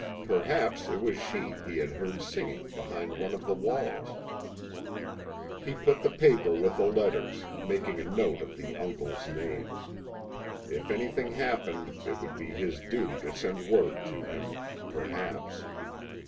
Perhaps it was she he had heard singing behind one of the walls. He put the paper with the letters, making a note of the uncle's name. If anything happened it would be his duty to send word to him perhaps.